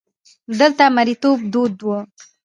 دلته مریتوب دود وو.